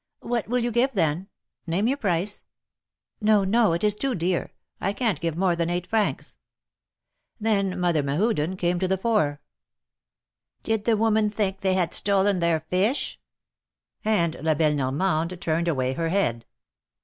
" What will you give, then ? Name your price." " No, no ! It is too dear. I can't give more than eight francs." Then Mother Mehuden came to the fore. "Did the 146 THE MARKETS OF PARIS. woman think they had stolen their fish ?" And La belle Normande turned away her head.